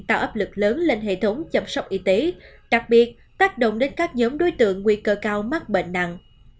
tạo áp lực lớn lên hệ thống chăm sóc y tế đặc biệt tác động đến các nhóm đối tượng nguy cơ cao mắc bệnh nặng